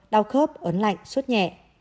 đau khớp ấn lạnh sốt nhẹ